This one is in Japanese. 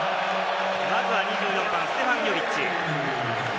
まずは２４番、ステファン・ヨビッチです。